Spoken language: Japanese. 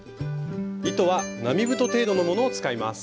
糸は並太程度のものを使います。